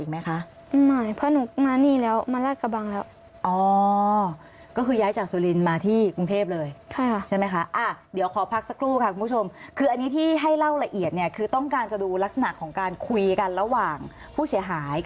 มันกลับไปที่สุรินทร์ลำบาก